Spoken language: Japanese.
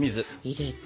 入れて。